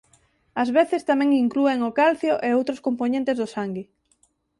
Ás veces tamén inclúen o calcio e outros compoñentes do sangue.